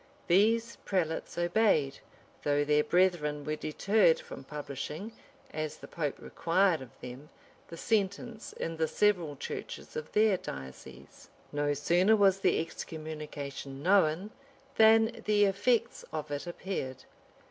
[] These prelates obeyed; though their brethren were deterred from publishing, as the pope required of them, the sentence in the several churches of their dioceses. No sooner was the excommunication known, than the effects of it appeared.